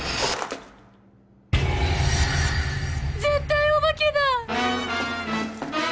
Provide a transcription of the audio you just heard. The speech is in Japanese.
絶対お化けだ！